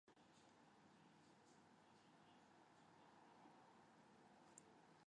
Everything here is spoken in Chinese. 杂种鱼鳔槐为豆科鱼鳔槐属下的一个种。